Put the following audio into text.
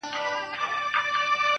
ځكه چي دا خو د تقدير فيصله,